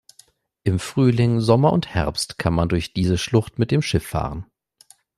Im Frühling, Sommer und Herbst kann man durch diese Schlucht mit dem Schiff fahren.